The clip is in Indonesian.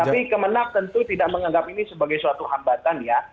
tapi kemenang tentu tidak menganggap ini sebagai suatu hambatan ya